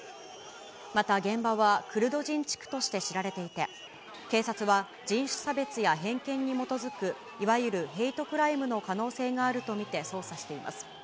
また現場は、クルド人地区として知られていて、警察は人種差別や偏見に基づく、いわゆるヘイトクライムの可能性があると見て捜査しています。